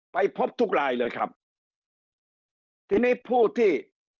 ไปพบทุกลายเลยครับทีนี้ผู้ที่